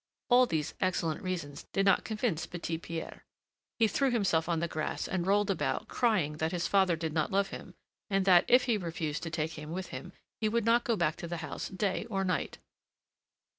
All these excellent reasons did not convince Petit Pierre; he threw himself on the grass and rolled about, crying that his father did not love him, and that, if he refused to take him with him, he would not go back to the house day or night.